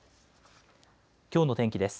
きょうの天気です。